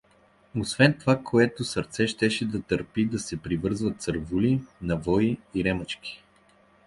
Освен това кое сърце щеше да търпи да се привързват цървули, навои и ремъчки?